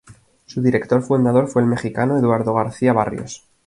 Su director fundador fue el mexicano Eduardo García-Barrios.